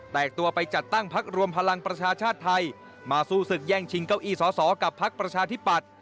ตัวไปจัดตั้งพักรวมพลังประชาชาติไทยมาสู้ศึกแย่งชิงเก้าอี้สอสอกับพักประชาธิปัตย์